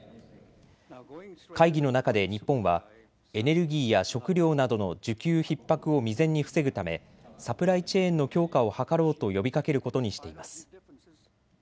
会議の中で日本はエネルギーや食料などの需給ひっ迫を未然に防ぐためサプライチェーンの強化を図ろうと呼びかけることにしています。